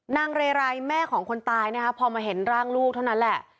นางเรไรแม่ของคนตายนะคะพอมาเห็นร่างลูกเท่านั้นแหละ